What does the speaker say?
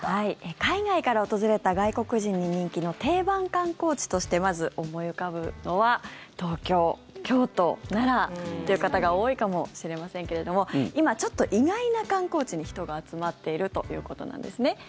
海外から訪れた外国人に人気の定番観光地としてまず思い浮かぶのは東京、京都、奈良という方が多いかもしれませんけれども今、ちょっと意外な観光地に人が集まっているということなんですね。